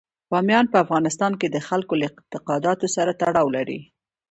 بامیان په افغانستان کې د خلکو له اعتقاداتو سره تړاو لري.